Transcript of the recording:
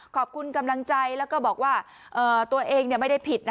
ขอบคุณกำลังใจแล้วก็บอกว่าตัวเองไม่ได้ผิด